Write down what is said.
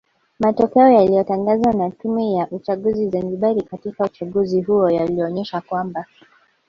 Matokeo yaliyatangazwa na Tume ya uchaguzi Zanzibari katika uchaguzi huo yalionesha kwamba